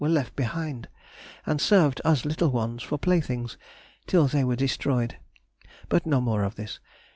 were left behind, and served us little ones for playthings till they were destroyed; but no more of this.